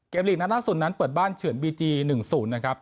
เกมหลีกนัดหน้าสุดนั้นเปิดบ้านเฉือนบีจีหนึ่งศูนย์นะครับ